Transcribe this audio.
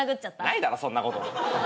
ないだろそんなこと。